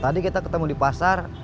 tadi kita ketemu di pasar